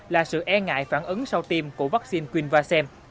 là sự e ngại phản ứng sau tiêm của vaccine quynh vasem